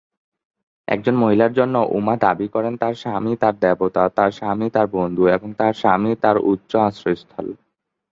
একজন মহিলার জন্য, উমা দাবি করেন, তার স্বামী তার দেবতা, তার স্বামী তার বন্ধু এবং তার স্বামী তার উচ্চ আশ্রয়স্থল।